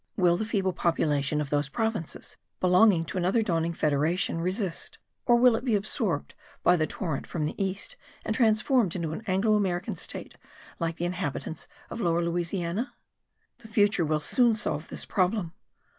Will the feeble population of those provinces, belonging to another dawning federation, resist; or will it be absorbed by the torrent from the east and transformed into an Anglo American state, like the inhabitants of Lower Louisiana? The future will soon solve this problem.